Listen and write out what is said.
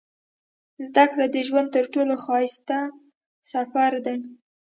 • زده کړه د ژوند تر ټولو ښایسته سفر دی.